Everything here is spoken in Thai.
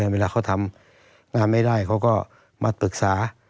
มีแต่งานไม่ได้เขามาปรึกษา